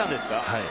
はい。